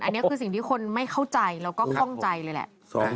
อันนี้คือสิ่งที่คนไม่เข้าใจแล้วก็ข้องใจเลยแหละ